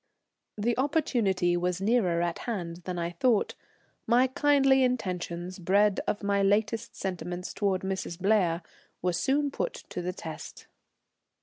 The opportunity was nearer at hand than I thought. My kindly intentions, bred of my latest sentiments towards Mrs. Blair, were soon to be put to the test.